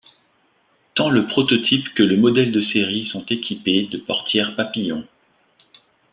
Tant le prototype que le modèle de série sont équipés de portières papillon.